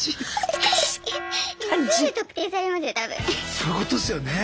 そういうことですよね。